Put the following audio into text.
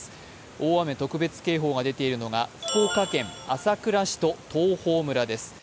大雨特別警報が出ているのが福岡県朝倉市と東峰村です。